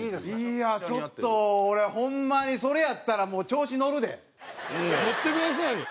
いやあちょっと俺ホンマにそれやったらもう乗ってくださいよ。